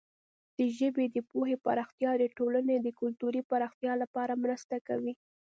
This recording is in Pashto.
د ژبې د پوهې پراختیا د ټولنې د کلتوري پراختیا لپاره مرسته کوي.